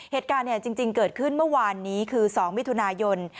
เหตุการณ์จริงเกิดขึ้นเมื่อวานนี้คือ๒มิถุนายน